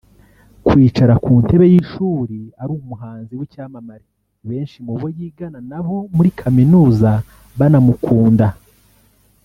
Kwicara ku ntebe y’ishuri ari umuhanzi w’icyamamare benshi mu bo yigana na bo muri kaminuza banamukunda